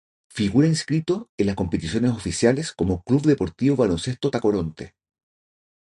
Figura inscrito en las competiciones oficiales como Club Deportivo Baloncesto Tacoronte.